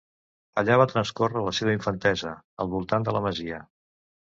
Allà va transcórrer la seva infantesa, al voltant de la masia.